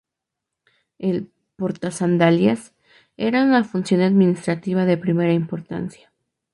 El "porta sandalias" era una función administrativa de primera importancia.